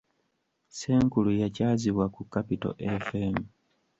Ssenkulu y’akyazibwa ku Capital Fm.